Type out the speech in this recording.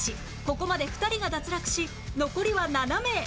ここまで２人が脱落し残りは７名